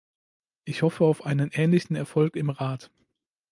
Ich hoffe auf einen ähnlichen Erfolg im Rat.